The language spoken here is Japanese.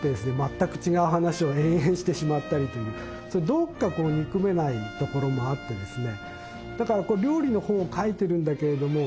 どこか憎めないところもあってですね。